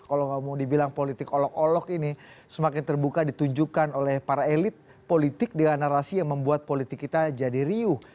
kalau ngomong dibilang politik olok olok ini semakin terbuka ditunjukkan oleh para elit politik dengan narasi yang membuat politik kita jadi riuh